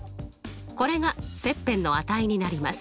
これが切片の値になります。